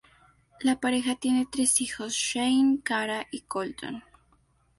La pareja tiene tres hijos: Shane, Kara y Colton.